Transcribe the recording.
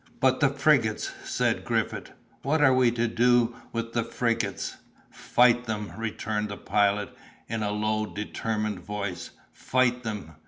"But the frigates?" said Griffith, "what are we to do with the frigates?" "Fight them!" returned the Pilot, in a low, determined voice; "fight them!